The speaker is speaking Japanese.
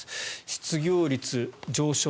失業率上昇